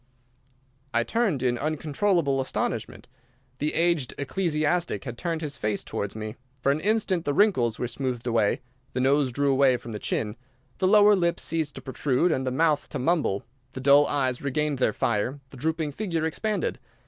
I turned in uncontrollable astonishment. The aged ecclesiastic had turned his face towards me. For an instant the wrinkles were smoothed away, the nose drew away from the chin, the lower lip ceased to protrude and the mouth to mumble, the dull eyes regained their fire, the drooping figure expanded.